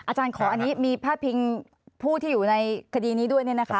อาจารย์ขออันนี้มีพาดพิงผู้ที่อยู่ในคดีนี้ด้วย